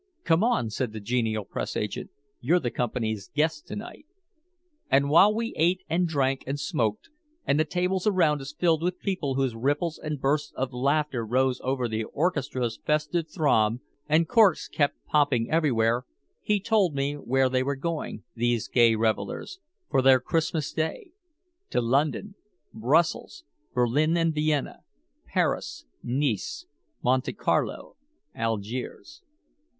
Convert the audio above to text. "Come on," said the genial press agent. "You're the company's guest to night." And while we ate and drank and smoked, and the tables around us filled with people whose ripples and bursts of laughter rose over the orchestra's festive throb, and corks kept popping everywhere, he told me where they were going, these gay revellers, for their Christmas Day to London, Brussels, Berlin and Vienna, Paris, Nice, Monte Carlo, Algiers.